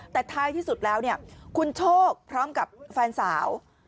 แต่ท้ายที่สุดแล้วเนี่ยคุณโชคพร้อมกับแฟนสาว